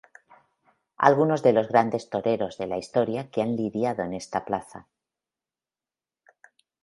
Algunos de los grandes toreros de la historia que han lidiado en esta plaza.